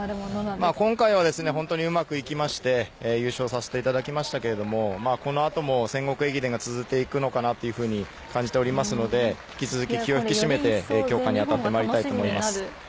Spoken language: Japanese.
今回は本当にうまくいって優勝させていただきましたけどこのあとも戦国駅伝が続いていくのかなと感じておりますので引き続き気を引き締めて強化に当たってまいりたいと